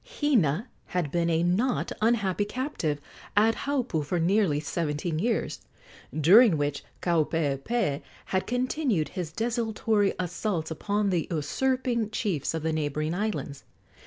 Hina had been a not unhappy captive at Haupu for nearly seventeen years, during which Kaupeepee had continued his desultory assaults upon the usurping chiefs of the neighboring islands.